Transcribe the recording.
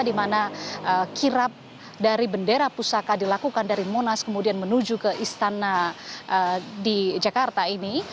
di mana kirap dari bendera pusaka dilakukan dari monas kemudian menuju ke istana di jakarta ini